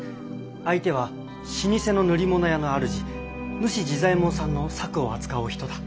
相手は老舗の塗り物屋のあるじ塗師・治左衛門さんの作を扱うお人だ。